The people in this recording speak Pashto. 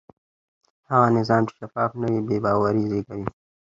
هغه نظام چې شفاف نه وي بې باوري زېږوي